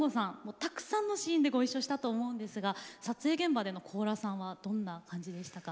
たくさんのシーンでご一緒したと思うんですが撮影現場での高良さんはどんな感じでしたか？